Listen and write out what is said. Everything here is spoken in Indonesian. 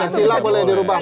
pancasila boleh di rubah